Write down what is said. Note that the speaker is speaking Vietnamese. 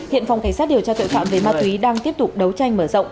hiện phòng cảnh sát điều tra tội phạm về ma túy đang tiếp tục đấu tranh mở rộng